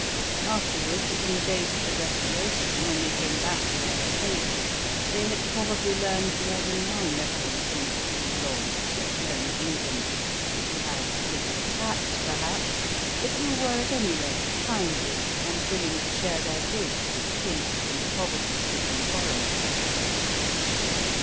Afterward, in the days of the Restoration, when they came back to their estates, they had probably learned more than one lesson from the bouledogues of Merry England, who had little tact, perhaps, but who were at any rate kindly and willing to share their goods with pinched and poverty stricken foreigners.